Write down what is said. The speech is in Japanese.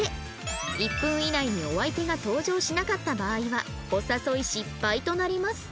１分以内にお相手が登場しなかった場合はお誘い失敗となります